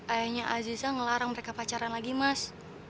ayahnya aziza ngelarang mereka pacaran lagi mas